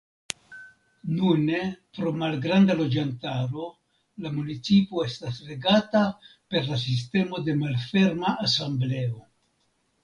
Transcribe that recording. Nune pro malgranda loĝantaro la municipo estas regata per la sistemo de malferma asembleo.